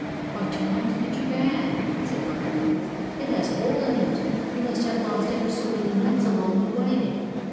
"Why, Tom, look at your bag," said one of the boys. "It has a hole in it. You must have lost ever so many nuts along the way."